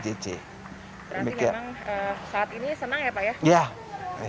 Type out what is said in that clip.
jadi memang saat ini senang ya pak ya